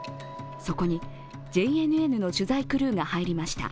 そこにＪＮＮの取材クルーが入りました。